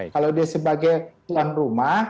kalau dia sebagai tuan rumah